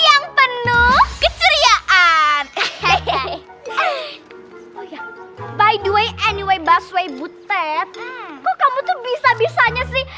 yang penuh keceriaan hehehe eh by the way anyway baswe butet kok kamu tuh bisa bisanya sih